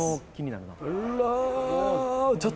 うわ